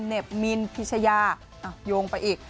เน็บมินพิชญายงไปอีก